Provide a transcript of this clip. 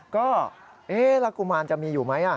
ก็เอ๊ะแล้วกุมารจะมีอยู่ไหม